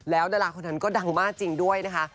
แล้วดาราคนนั้นก็ดังมากจริงด้วยนะคะ